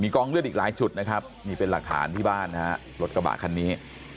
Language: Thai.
กองเลือดอีกหลายจุดนะครับนี่เป็นหลักฐานที่บ้านนะฮะรถกระบะคันนี้